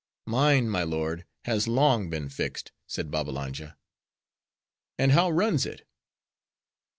"Mine, my lord, has long been fixed," said Babbalanja. "And how runs it?"